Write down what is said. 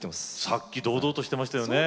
さっき堂々としてましたよね。